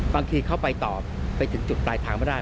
บางทีเขาไปต่อไปจนจุดปลายทางไม่ได้